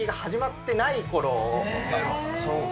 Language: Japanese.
そうか。